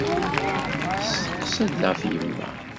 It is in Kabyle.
Testeqsa-d ɣef yemma.